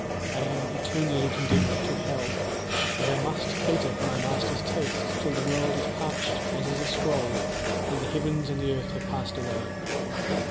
I am eternally condemned to hell and I must cater for my master's taste till the world is parched as is a scroll, and the heavens and the earth have passed away.